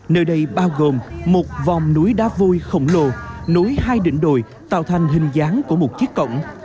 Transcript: nơi đây bao gồm một vòng núi đá vôi khổng lồ nối hai đỉnh đồi tạo thành hình dáng của một chiếc cổng